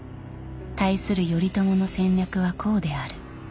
対する頼朝の戦略はこうである。